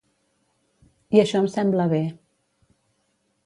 I això em sembla bé.